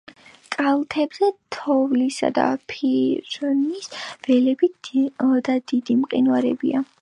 კალთებზე თოვლისა და ფირნის ველები და დიდი მყინვარებია.